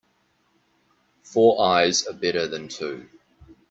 Four eyes are better than two.